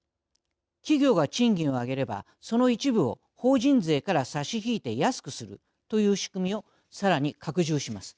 企業が賃金を上げればその一部を法人税から差し引いて安くするという仕組みをさらに拡充します。